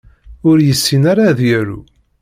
Ur yessin ara ad yaru.